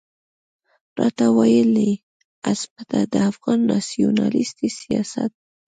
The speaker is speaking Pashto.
راته ويل يې عصمته د افغان ناسيوناليستي سياست.